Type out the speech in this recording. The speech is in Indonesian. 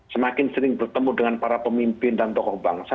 semakin sering bertemu dengan para pemimpin dan tokoh bangsa